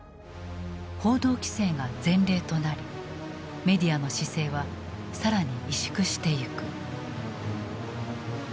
報道規制が前例となりメディアの姿勢は更に委縮してゆく。